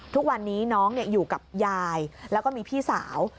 ทุกวันนี้น้องอยู่กับยายแล้วก็มีพี่สาว